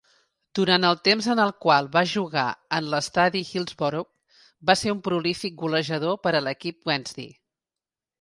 Durant el temps en el qual va jugar en l'estadi Hillsborough va ser un prolífic golejador per a l'equip Wednesday.